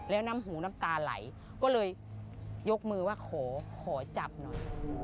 แล้วน้ำหูน้ำตาไหลก็เลยยกมือว่าขอจับหน่อย